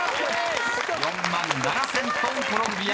［４万７，０００ｔ「コロンビア」］